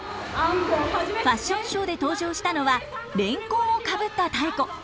ファッションショーで登場したのはレンコンをかぶったタエコ。